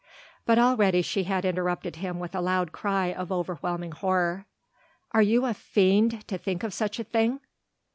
But already she had interrupted him with a loud cry of overwhelming horror. "Are you a fiend to think of such a thing?"